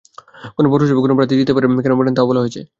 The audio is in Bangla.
কোন পৌরসভায় কোন প্রার্থী জিততে পারেন, কেন পারেন, তাও বলা হয়েছে।